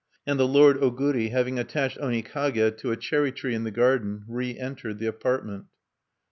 And the lord Oguri, having attached Onikage to a cherry tree in the garden, reentered the apartment.